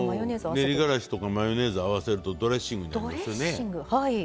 練りがらしとマヨネーズを合わせるとドレッシングになりますよね。